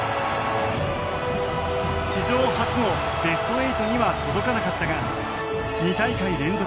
史上初のベスト８には届かなかったが２大会連続